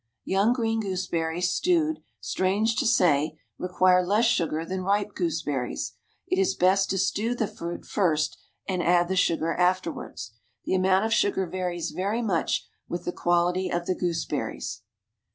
Young green gooseberries stewed, strange to say, require less sugar than ripe gooseberries. It is best to stew the fruit first, and add the sugar afterwards. The amount of sugar varies very much with the quality of the gooseberries.